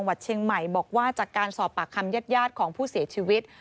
เพิ่มโทษที่เชียงใหม่บอกว่าจากการสอบปากคำยาดของผู้เสียชีวิต